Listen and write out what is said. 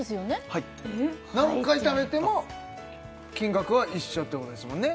はい何回食べても金額は一緒ってことですもんね？